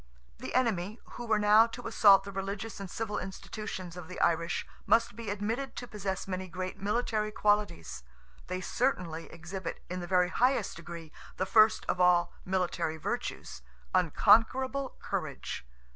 The enemy, who were now to assault the religious and civil institutions of the Irish, must be admitted to possess many great military qualities. They certainly exhibit, in the very highest degree, the first of all military virtues—unconquerable courage.